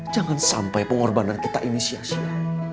jangan sampai pengorbanan kita ini sia sia